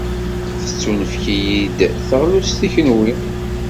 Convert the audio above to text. Tettunefk-iyi-d teɣlust i kenwi.